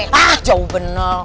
hah jauh benar